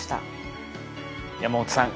山元さん